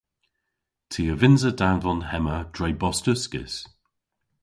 Ty a vynnsa danvon hemma dre bost uskis.